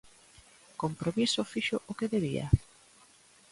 Compromiso fixo o que debía?